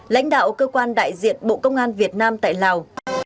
lãnh đạo cơ quan đại diện bộ công an việt nam tại lào